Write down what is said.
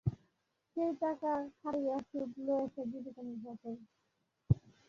সেই টাকা খাটাইয়া সুদ লইয়া সে জীবিকা নির্বাহ করে।